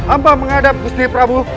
apa mengadap gusti prabu